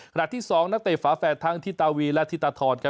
ขณะที่๒นักเต่ฝาแฝดทั้งที่ตาวีและที่ตาธร